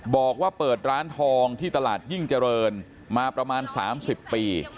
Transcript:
บอกว่าเปิดร้านทองที่ตลาดยิ่งเจริญมาประมาณ๓๐ปี